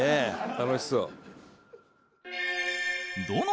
楽しそう。